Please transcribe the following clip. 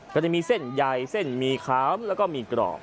ก็จะมีเส้นใหญ่เส้นหมี่ขาวแล้วก็มีกรอบ